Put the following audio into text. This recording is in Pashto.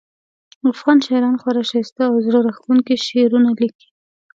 افغان شاعران خورا ښایسته او زړه راښکونکي شعرونه لیکي